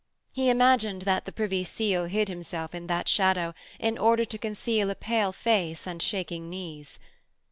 He imagined that the Privy Seal hid himself in that shadow in order to conceal a pale face and shaking knees.